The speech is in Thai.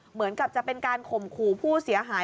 เหมือนกับจะเป็นการข่มขู่ผู้เสียหาย